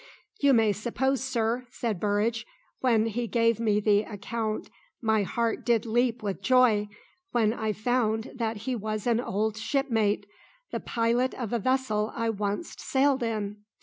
"You may suppose, sir," said Burridge, "when he gave me the account my heart did leap with joy, when I found that he was an old shipmate the pilot of a vessel I once sailed in!